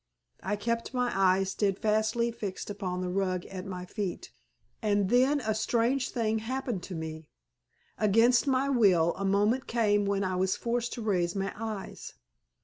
I kept my eyes steadfastly fixed upon the rug at my feet. And then a strange thing happened to me. Against my will a moment came when I was forced to raise my eyes.